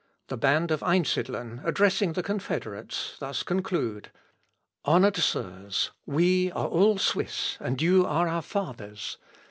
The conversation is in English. The band of Einsidlen addressing the confederates, thus conclude: "Honoured Sirs, we are all Swiss, and you are our fathers.